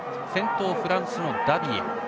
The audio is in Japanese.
先頭、フランスのダビエ。